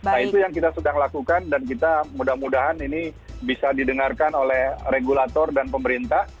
nah itu yang kita sedang lakukan dan kita mudah mudahan ini bisa didengarkan oleh regulator dan pemerintah